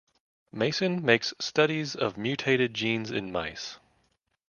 Mason makes studies of mutated genes in mice.